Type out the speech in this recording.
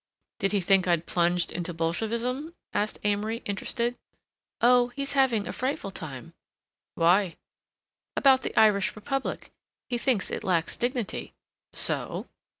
"Did he think I'd plunged into Bolshevism?" asked Amory, interested. "Oh, he's having a frightful time." "Why?" "About the Irish Republic. He thinks it lacks dignity." "So?"